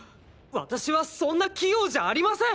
私はそんな器用じゃありません！！